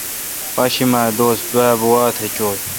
پاشمہ دوس دوابہ واتھ چوں ۔